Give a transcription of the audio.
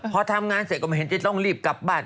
พอทำงานเสร็จก็ไม่เห็นจะต้องรีบกลับบ้าน